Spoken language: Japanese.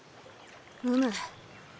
うむ。